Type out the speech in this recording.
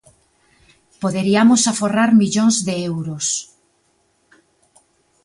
Poderiamos aforrar millóns de euros.